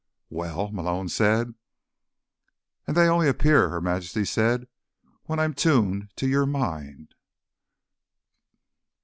"Well?" Malone said. "And they only appear," Her Majesty said, "when I'm tuned to your mind!"